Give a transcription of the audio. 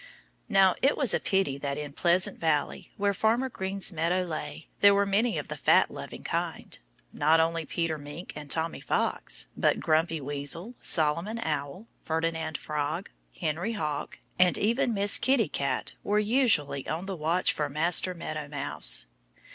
Now, it was a pity that in Pleasant Valley, where Farmer Green's meadow lay, there were many of the fat loving kind. Not only Peter Mink and Tommy Fox, but Grumpy Weasel, Solomon Owl, Ferdinand Frog, Henry Hawk and even Miss Kitty Cat were usually on the watch for Master Meadow Mouse.